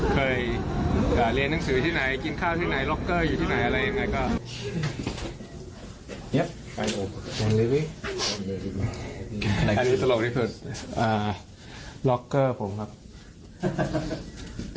เคยเรียนหนังสืออยู่ที่ไหนกินข้าวที่ไหนล็อกเกอร์อยู่ที่ไหนอะไรอย่างไรก็